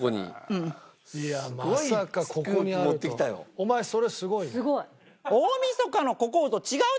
お前それすごいわ。